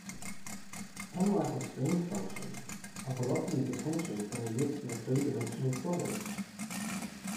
Unlike a stream function, a velocity potential can exist in three-dimensional flow.